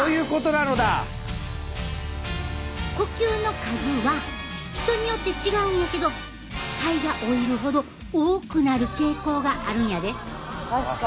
呼吸の数は人によって違うんやけど肺が老いるほど多くなる傾向があるんやで。